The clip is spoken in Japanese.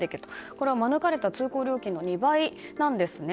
これは免れた通行料金の２倍なんですね。